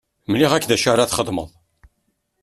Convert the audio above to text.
Mliɣ-ak d acu ara txedmeḍ.